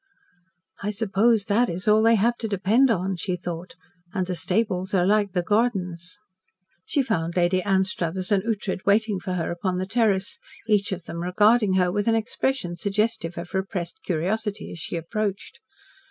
"I suppose that is all they have to depend upon," she thought. "And the stables are like the gardens." She found Lady Anstruthers and Ughtred waiting for her upon the terrace, each of them regarding her with an expression suggestive of repressed curiosity as she approached.